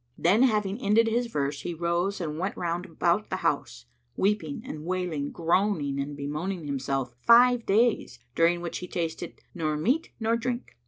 Then having ended his verse he rose and went round about the house, weeping and wailing, groaning and bemoaning himself, five days, during which he tasted nor meat nor drink.